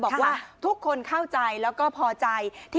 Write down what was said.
บอกว่าทุกคนเข้าใจแล้วก็พอใจ